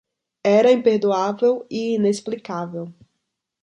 Era imperdoável e inexplicável.